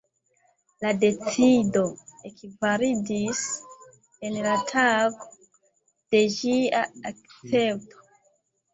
La decido ekvalidis en la tago de ĝia akcepto.